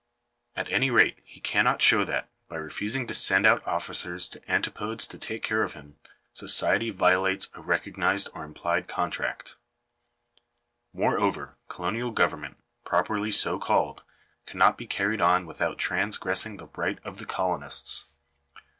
At any rate he cannot show that, by refusing to send out officers to the antipodes to take care of him, society violates a recognised or implied contract. Moreover, colonial government, properly so called, cannot be carried on without transgressing the rights of the colonists.